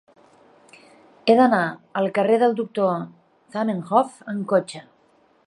He d'anar al carrer del Doctor Zamenhof amb cotxe.